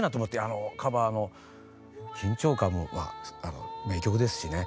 あのカバーの緊張感もまあ名曲ですしね